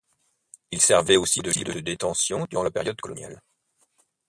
Il servait aussi de lieu de détention durant la période coloniale.